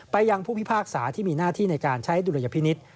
ยังผู้พิพากษาที่มีหน้าที่ในการใช้ดุลยพินิษฐ์